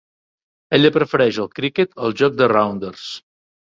Ella prefereix el criquet al joc de rounders.